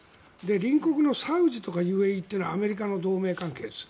隣国のサウジとかＵＡＥはアメリカとの同盟関係です。